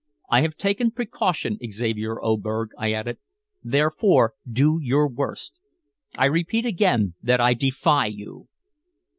I have taken precaution, Xavier Oberg," I added, "therefore do your worst. I repeat again that I defy you!"